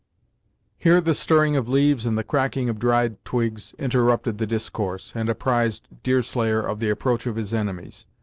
Here the stirring of leaves and the cracking of dried twigs interrupted the discourse, and apprised Deerslayer of the approach of his enemies.